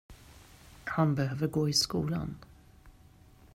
Han behöver gå i skolan.